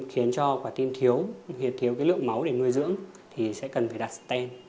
khiến cho quả tim thiếu thiếu cái lượng máu để nuôi dưỡng thì sẽ cần phải đặt sten